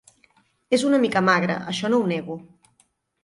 Es una mica magre, això no ho nego